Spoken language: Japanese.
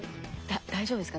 大丈夫ですか？